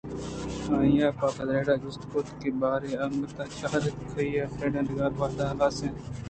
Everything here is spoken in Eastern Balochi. آئیءَ پدافریڈا جست کُت کہ باریں انگت ءَ چارات کنت یا آئی ءِ ندارگ ءِ وہد ہلاس اِنت